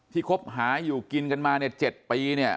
คบหาอยู่กินกันมาเนี่ย๗ปีเนี่ย